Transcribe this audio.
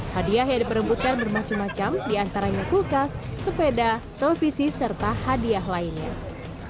hadiah yang diperebutkan bermacam macam diantaranya kulkas sepeda televisi serta hadiah lainnya